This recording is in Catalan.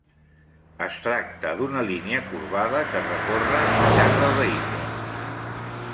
Es tracta d'una línia corbada que recorre al llarg del vehicle.